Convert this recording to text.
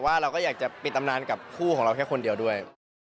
เราก็อยากจะปิดตำนานกับคู่ของเราแค่คนเดียวด้วย